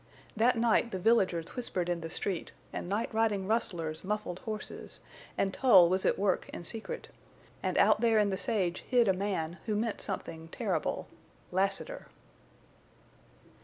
That night the villagers whispered in the street—and night riding rustlers muffled horses—and Tull was at work in secret—and out there in the sage hid a man who meant something terrible—Lassiter!